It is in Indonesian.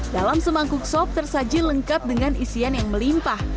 dalam semangkuk sop tersaji lengkap dengan isian yang melimpah